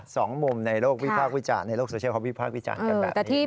สองมุมในโลกโซเชียครับวิจารณ์แบบนี้